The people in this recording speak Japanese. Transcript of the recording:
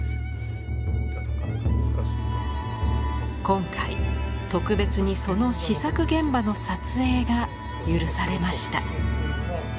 今回特別にその試作現場の撮影が許されました。